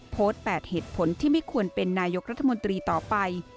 ๘เหตุผลที่ไม่ควรเป็นนายกรัฐมนตรีต่อไป